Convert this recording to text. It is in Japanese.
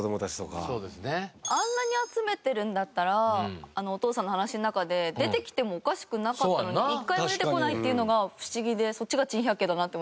あんなに集めてるんだったらあのお父さんの話の中で出てきてもおかしくなかったのに一回も出てこないっていうのが不思議でそっちが珍百景だなって思いました。